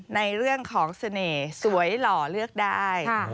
ในเรื่องของเสน่ห์สวยหล่อเลือกได้